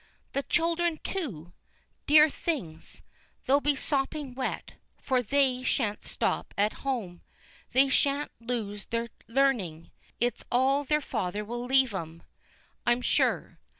"The children, too! Dear things! They'll be sopping wet: for they shan't stop at home they shan't lose their learning; it's all their father will leave 'em, I'm sure.